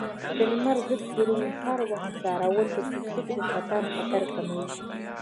د لمر ضد کریم هر وخت کارول د پوستکي د سرطان خطر کموي.